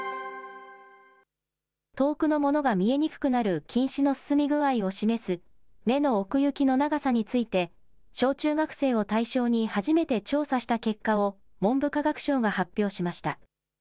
遠くのものが見えにくくなる近視の進み具合を示す、目の奥行きの長さについて、小中学生を対象に初めて調査した結果を、文部科学省が発表しました。